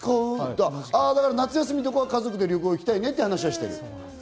夏休みとかは、家族で旅行、行きたいねとかいう話はしてます。